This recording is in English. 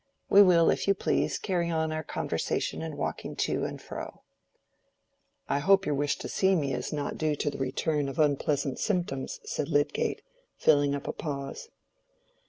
We will, if you please, carry on our conversation in walking to and fro." "I hope your wish to see me is not due to the return of unpleasant symptoms," said Lydgate, filling up a pause.